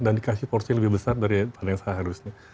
dan dikasih porsi yang lebih besar daripada yang seharusnya